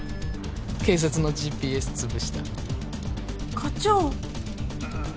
警察のＧＰＳつぶした課長ああ